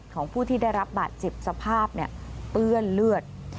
ของผู้ที่ได้รับบาดเจ็บสภาพเปื้อนเลือด